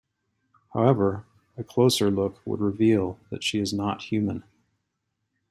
However, a closer look would reveal that she is not human.